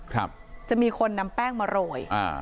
ครับจะมีคนนำแป้งมาโรยอ่า